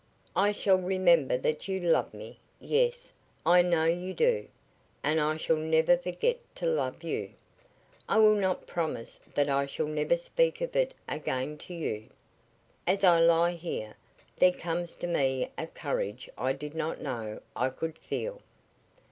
I shall remember that you love me yes, I know you do, and I shall never forget to love you. I will not promise that I shall never speak of it again to you. As I lie here, there comes to me a courage I did not know I could feel."